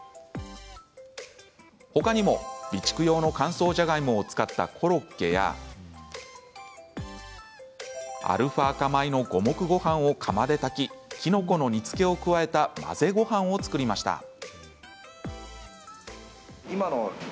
ほかにも備蓄用の乾燥じゃがいもを使ったコロッケやアルファ化米の五目ごはんを釜で炊ききのこの煮つけを加えた混ぜごはんを作りました。